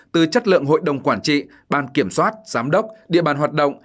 từ chất lượng hội đồng quản trị ban kiểm soát giám đốc địa bàn hoạt động